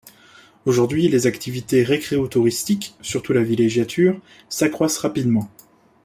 Aujourd'hui, les activités récréotouristiques, surtout la villégiature, s'accroissent rapidement.